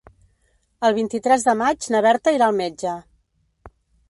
El vint-i-tres de maig na Berta irà al metge.